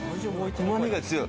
うま味が強い。